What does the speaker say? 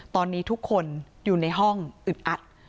ตอนนี้ทุกคนอยู่ในห้องอึดอัด